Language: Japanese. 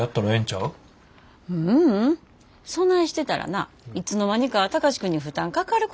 そないしてたらないつの間にか貴司君に負担かかることになんねん。